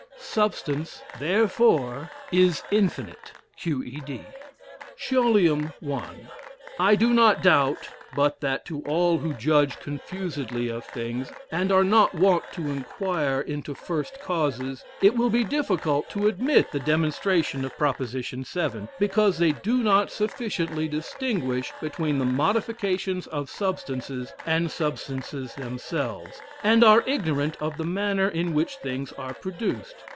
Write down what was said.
Substance therefore is infinite. Q. E. D. "Scholium I. I do not doubt but that to all who judge confusedly of things, and are not wont to inquire into first causes, it will be difficult to admit the demonstration of prop. 7, because they do not sufficiently distinguish between the modifications of substances, and substances themselves, and are ignorant of the manner in which things are produced.